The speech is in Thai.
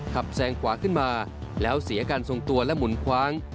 แซงขวาขึ้นมาแล้วเสียการทรงตัวและหมุนคว้าง